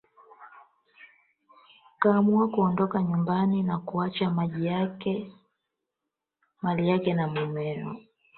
Kuamua kuondoka nyumbani na kuacha mali yake na mumeo.